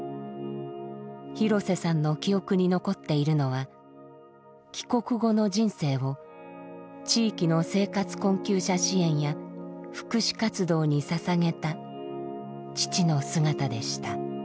廣瀬さんの記憶に残っているのは帰国後の人生を地域の生活困窮者支援や福祉活動に捧げた父の姿でした。